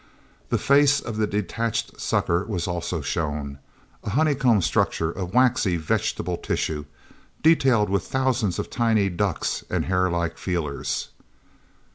The face of the detached sucker was also shown a honeycomb structure of waxy vegetable tissue, detailed with thousands of tiny ducts and hairlike feelers.